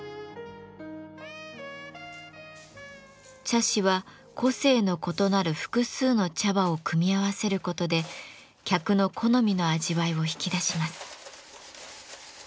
茶師は個性の異なる複数の茶葉を組み合わせることで客の好みの味わいを引き出します。